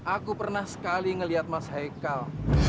aku pernah sekali melihat mas haikal